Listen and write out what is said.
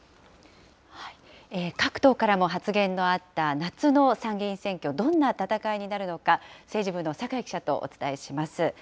各党からも発言のあった夏の参議院選挙、どんな戦いになるのか、政治部の坂井記者とお伝えします。